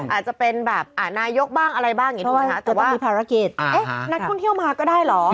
อาจจะเป็นแบบนายกบ้างอะไรบ้างแต่ว่าต้องมีภารกิจเอ๊ะนักท่วนเที่ยวมาก็ได้เหรอ